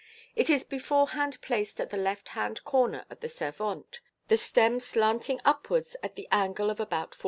It is beforehand placed at the left hand corner of the servante, the stem slanting upwards at an angle of about 45*.